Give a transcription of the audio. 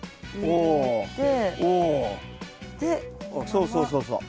そうそうそうそう。